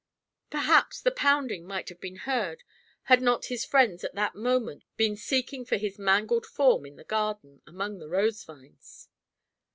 Perhaps the pounding might have been heard had not his friends at that moment been seeking for his mangled form in the garden, among the rose vines.